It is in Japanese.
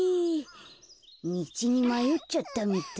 みちにまよっちゃったみたい。